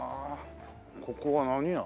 ここは何屋？